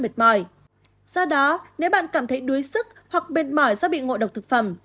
do đó nếu bạn cảm thấy đuối sức hoặc mệt mỏi do bị ngộ độc thực phẩm